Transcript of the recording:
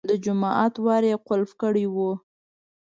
د جومات ور یې قلف کړی و.